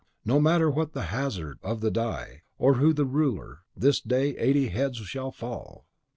No matter what the hazard of the die, or who the ruler, this day eighty heads shall fall!